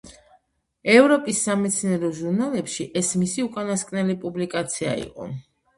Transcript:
ევროპის სამეცნიერო ჟურნალებში ეს მისი უკანასკნელი პუბლიკაცია იყო.